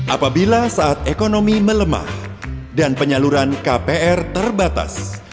apabila saat ekonomi melemah dan penyaluran kpr terbatas